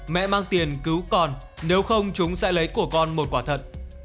mẹ mang tiền cứu còn nếu không chúng sẽ lấy của con một quả thật